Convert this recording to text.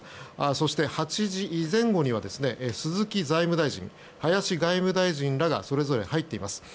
そして、８時前後には鈴木財務大臣、林外務大臣らがそれぞれ入っています。